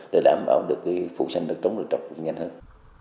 để đảm bảo được phụ sinh nước trống rừng trọc nhanh hơn